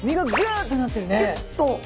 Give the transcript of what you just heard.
ギュッと！